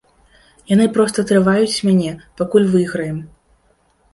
Яны проста трываюць мяне, пакуль выйграем.